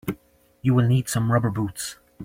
You will need some rubber boots.